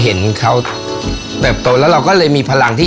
คนเรามันก็ไม่ได้ผิด